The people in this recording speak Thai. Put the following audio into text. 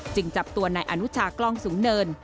จึงจับตัวในอนุชากล้องสูงเนิน